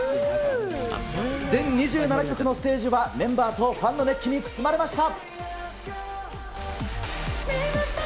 全２７曲のステージは、メンバーとファンの熱気に包まれました。